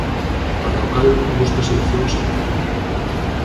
Para o cal busca solucións Anquela.